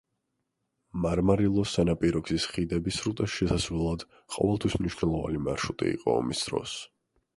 მარმარილოს სანაპირო გზის ხიდები სრუტეში შესასვლელად, ყოველთვის მნიშვნელოვანი მარშრუტი იყო ომის დროს.